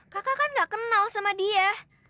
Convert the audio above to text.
kakak kan gak kenal sama dia